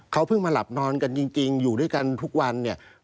เขาเพิ่งมาหลับนอนกันจริงอยู่ด้วยกันทุกวันเนี่ย